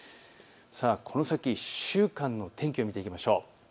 この先１週間の天気を見ていきましょう。